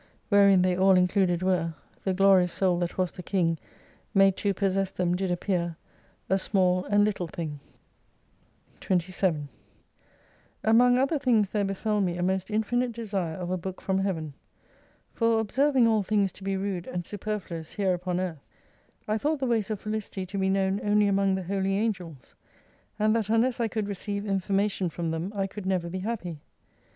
Wherein they all included were The glorious soul that was the king Made to possess them, did appear A small and little thing ! 27 Among other things there befel me a most infinite desire of a book from Heaven. For observing all things to be rude and superfluous here upon earth, I thought the ways of felicity to be known only among the Holy Angels : and that unless I could receive information from them, I could never be happy.